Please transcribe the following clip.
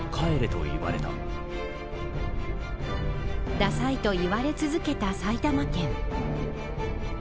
ダさいと言われ続けた埼玉県。